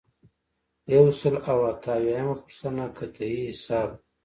یو سل او اته اویایمه پوښتنه قطعیه حساب دی.